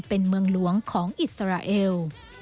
เป็นเมืองหลวงของอิสราเอล